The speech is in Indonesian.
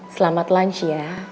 selamat lunch ya